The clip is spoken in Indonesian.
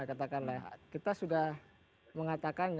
katakanlah kita sudah mengatakan